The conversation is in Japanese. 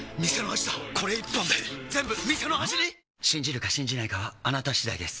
信じるか信じないかはあなた次第です